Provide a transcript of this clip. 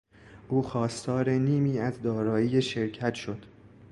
او خواستار نیمی از دارایی شرکت شد.